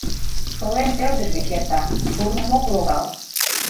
Шолем ӧрдыж гыч эрта, шурным ок логал...